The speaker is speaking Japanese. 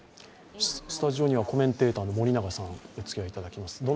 スタジオにはコメンテーターの森永さん、おつきあいいただきます。